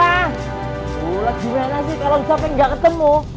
bule gimana sih kalau siapa yang nggak ketemu